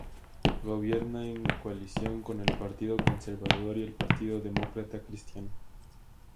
Gobierna en coalición con el Partido Conservador y el Partido Demócrata Cristiano.